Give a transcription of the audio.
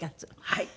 はい。